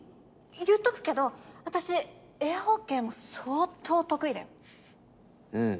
言っとくけど私エアホッケーも相当得意だようん